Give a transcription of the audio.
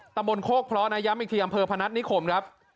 ตำบลโคกพระย้ำอีกทีอำเภอพนัษยนต์นิโขมครับ